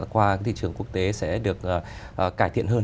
qua thị trường quốc tế sẽ được cải thiện hơn